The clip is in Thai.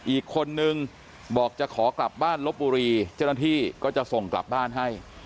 อีกคนนึงบอกจะขอกลับบ้านลบบุรีเจ้าหน้าที่ก็จะส่งกลับบ้านให้